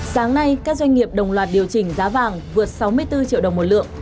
sáng nay các doanh nghiệp đồng loạt điều chỉnh giá vàng vượt sáu mươi bốn triệu đồng một lượng